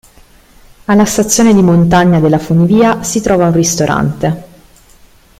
Alla stazione di montagna della funivia si trova un ristorante.